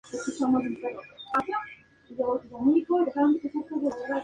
Está considerado como uno de los mejores programas radiales de música trance.